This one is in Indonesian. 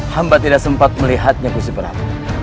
hamba tidak sempat melihatnya gusti prat